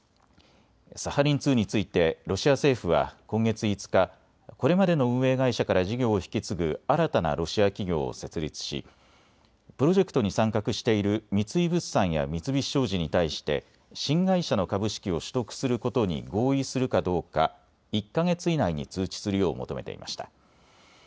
サハリン２についてロシア政府は今月５日、これまでの運営会社から事業を引き継ぐ新たなロシア企業を設立し、プロジェクトに参画している三井物産や三菱商事に対して新会社の株式を取得することに合意するかどうか１か月以内に通知するよう求めていました。